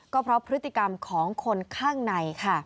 ก็เพราะพฤติกรรมของคนข้างในค่ะ